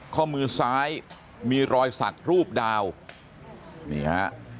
ข้อมือซ้ายมีรอยสักรูปดาวนี่ฮะ